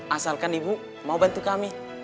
asalkan ibu mau bantu kami